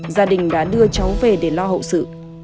gia đình đã đưa cháu về để lo hậu sự